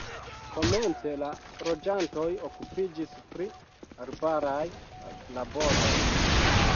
Komence la loĝantoj okupiĝis pri arbaraj laboroj.